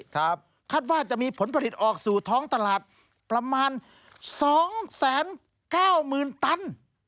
คาดว่าจะมีผลผลิตออกสู่ท้องตลาดประมาณสองแสนเก้าหมื่นตัน